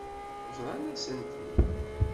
Bḍant-asen-ten-id.